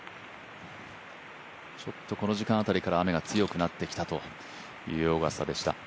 この時間辺りから雨が強くなってきたというオーガスタでした。